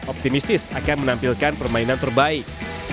optimistis akan menampilkan permainan terbaik